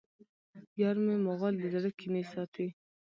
یارمی مغل د زړه کینې ساتي